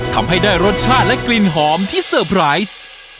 ทำให้ได้รสชาติและกลิ่นหอมที่เซอร์ไพรส์